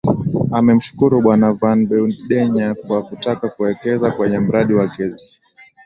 Amemshukuru Bwana Van Beurdenya kwa kutaka kuwekeza kwenye mradi wa Gesi